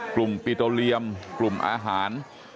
กลุ่มปิโตเรียมกลุ่มอาหาร